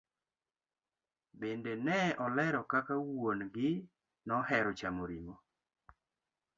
Bende ne olero kaka wuon gi nohero chamo ring'o.